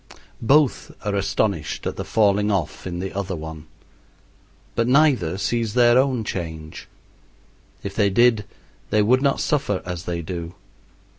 Both are astonished at the falling off in the other one, but neither sees their own change. If they did they would not suffer as they do.